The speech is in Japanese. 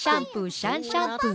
シャンシャンプー。